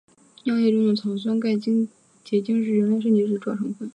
尿液中的草酸钙结晶是人类肾结石的主要成分。